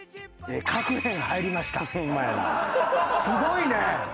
すごいね。